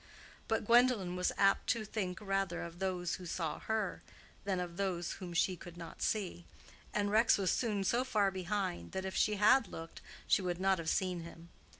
But Gwendolen was apt to think rather of those who saw her than of those whom she could not see; and Rex was soon so far behind that if she had looked she would not have seen him.